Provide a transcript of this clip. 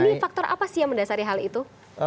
ini faktor apa sih yang mendasari hal itu